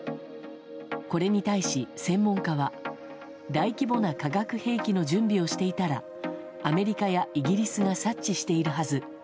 これに対し、専門家は大規模な化学兵器の準備をしていたらアメリカやイギリスが察知しているはず。